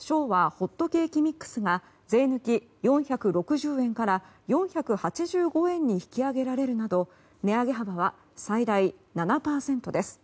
ホットケーキミックスが税抜き４６０円から４８５円に引き上げられるなど値上げ幅は最大７％です。